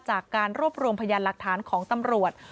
จากการรวบรวมพยานหลักฐานของตำรวจ